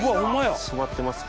染まってますね。